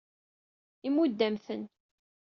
Imudd-am-ten.